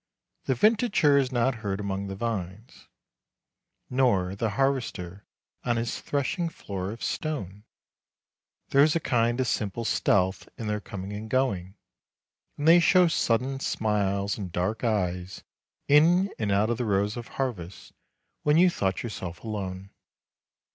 The vintager is not heard among the vines, nor the harvester on his threshing floor of stone. There is a kind of simple stealth in their coming and going, and they show sudden smiles and dark eyes in and out of the rows of harvest when you thought yourself alone.